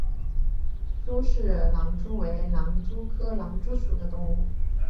苏氏狼蛛为狼蛛科狼蛛属的动物。